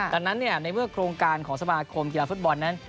ดังนั้นในเมื่อโครงการของสมาคมกีฬาฟุตบอลนั้น